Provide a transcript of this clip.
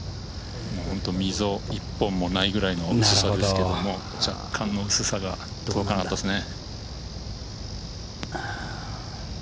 本当、溝１本もないくらいの薄さですけれども若干の薄さが届かなかったですね。